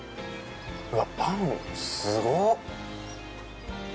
うわ、パン、すごっ。